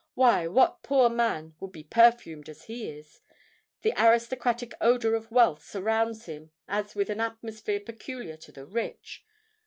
Why—what poor man would be perfumed as he is?—the aristocratic odour of wealth surrounds him as with an atmosphere peculiar to the rich.